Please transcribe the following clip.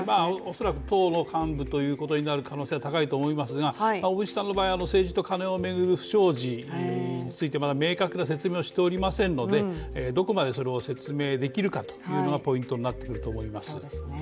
恐らく党の幹部ということになる可能性は高いと思いますが小渕さんの場合は政治とカネを巡る不祥事について明確な説明をしていませんのでどこまでそれを説明できるのかっていうのがポインになってくると思います。